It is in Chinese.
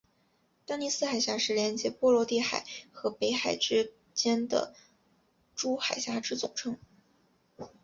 丹尼斯海峡是连结波罗的海和北海之间的诸海峡之总称。